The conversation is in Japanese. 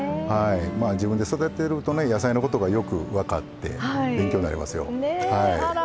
自分で育てると野菜のことがよく分かって勉強になりますよ。